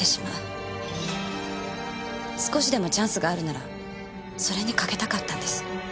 少しでもチャンスがあるならそれに賭けたかったんです。